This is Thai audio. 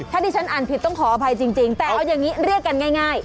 ถ้าที่ฉันอ่านผิดต้องขออภัยจริงแต่เอาอย่างนี้เรียกกันง่าย